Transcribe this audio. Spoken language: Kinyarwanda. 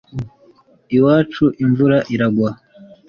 iwacu imvura iragwa